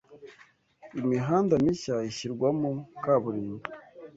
imihanda mishya ishyirwamo kaburimbo,